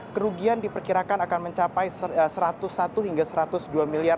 kerugian diperkirakan akan mencapai satu ratus satu hingga satu ratus dua miliar